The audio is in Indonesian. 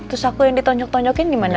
terus aku yang ditonjok tonjokin gimana